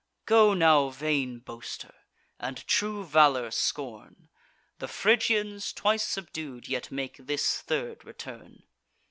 "Go now, vain boaster, and true valour scorn! The Phrygians, twice subdued, yet make this third return."